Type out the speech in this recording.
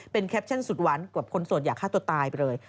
เป็นแคปชั่นสุดหวานกว่าคนโสดอยากฆ่าตัวตายไปเลย